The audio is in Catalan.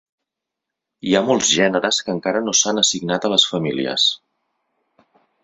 Hi ha molts gèneres que encara no s'han assignat a les famílies.